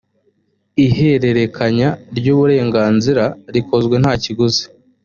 ihererekanya ry uburenganzira rikozwe nta kiguzi